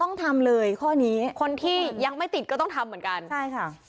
ต้องทำเลยคนที่ยังไม่ติดก็ต้องทำเหมือนกัน